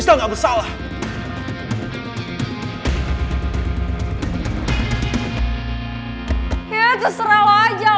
pokoknya mulai sekarang kita gak usah kerja sama lagi